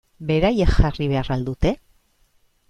Beraiek jarri behar al dute?